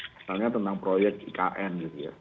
misalnya tentang proyek ikn